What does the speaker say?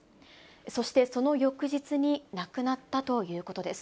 そしてその翌日に亡くなったということです。